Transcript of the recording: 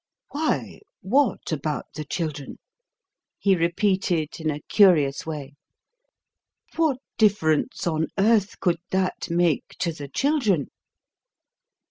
"Why, what about the children?" he repeated in a curious way. "What difference on earth could that make to the children?"